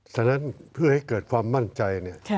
ฉะนั้นเพื่อให้เกิดความมั่นใจเนี่ย